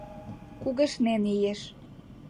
Кугешнен иеш.